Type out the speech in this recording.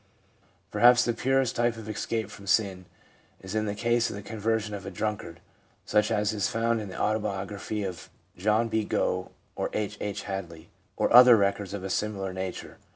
Perhaps the purest type of * escape from sin' is in the case of the conversion of a drunkard, such as is found in the auto biography of John B. Gough or H. H. Hadley, or other records of a similar nature.